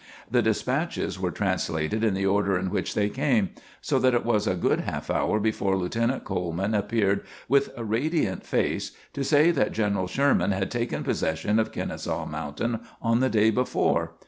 The despatches were translated in the order in which they came, so that it was a good half hour before Lieutenant Coleman appeared with a radiant face to say that General Sherman had taken possession of Kenesaw Mountain on the day before.